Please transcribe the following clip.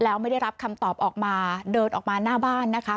แล้วไม่ได้รับคำตอบออกมาเดินออกมาหน้าบ้านนะคะ